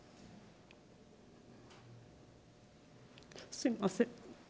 すいません。